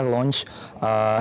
etble mencetuskan sebuah produk